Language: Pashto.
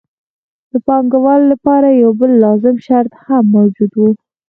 د پانګوالۍ لپاره یو بل لازم شرط هم موجود وو